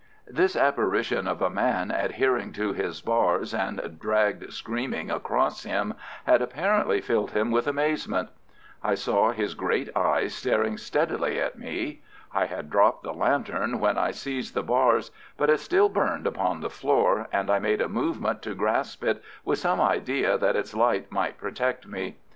This apparition of a man adhering to his bars and dragged screaming across him had apparently filled him with amazement. I saw his great eyes staring steadily at me. I had dropped the lantern when I seized the bars, but it still burned upon the floor, and I made a movement to grasp it, with some idea that its light might protect me.